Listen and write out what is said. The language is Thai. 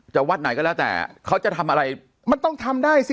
วัดไหนก็แล้วแต่เขาจะทำอะไรมันต้องทำได้สิ